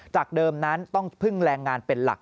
เดิมนั้นต้องพึ่งแรงงานเป็นหลัก